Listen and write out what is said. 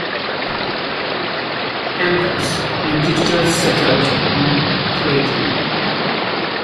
Ampex and Digital settled on plating.